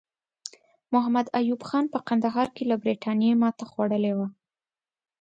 محمد ایوب خان په کندهار کې له برټانیې ماته خوړلې وه.